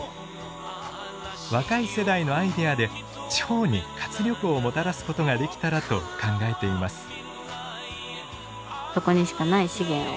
若い世代のアイデアで地方に活力をもたらすことができたらと考えています。